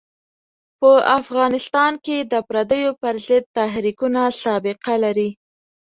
په افغانستان کې د پردیو پر ضد تحریکونه سابقه لري.